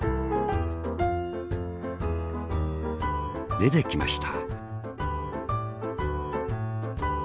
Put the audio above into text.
でてきました